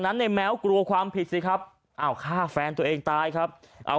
ในแม้วกลัวความผิดสิครับอ้าวฆ่าแฟนตัวเองตายครับเอา